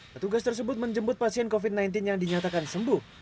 petugas tersebut menjemput pasien covid sembilan belas yang dinyatakan sembuh